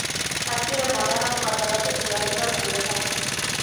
تصویر مادرم خاطرات زیادی را زنده کرد.